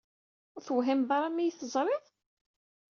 Ur tewhimeḍ ara mi yi-teẓriḍ?